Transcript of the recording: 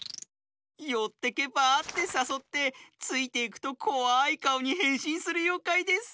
「よってけばあ？」ってさそってついていくとこわいかおにへんしんするようかいです。